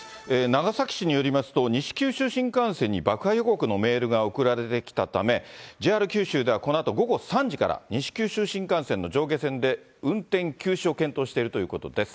長崎市によりますと、西九州新幹線に爆破予告のメールが送られてきたため、ＪＲ九州ではこのあと午後３時から、西九州新幹線の上下線で運転休止を検討しているということです。